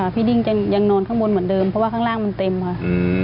ดิ้งจะยังนอนข้างบนเหมือนเดิมเพราะว่าข้างล่างมันเต็มค่ะ